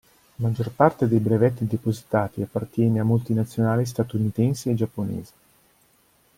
La maggior parte dei brevetti depositati appartiene a multinazionali statunitensi e giapponesi.